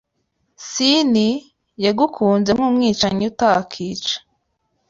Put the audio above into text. Sini, yagukunze nkumwicanyi utakica